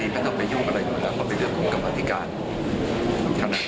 มันก็ต้องเข้ามาจุดโดยความเปลี่ยน